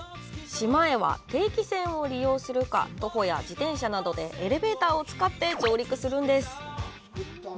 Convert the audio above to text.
島へは、定期船を利用するか、徒歩や自転車などでエレベーターを使って上陸するんです。